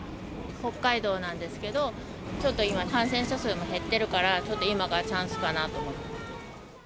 北海道なんですけど、ちょっと今、感染者数も減ってるからちょっと今がチャンスかなと思って。